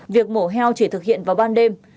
việc mổ heo chỉ thực hiện vào ban đêm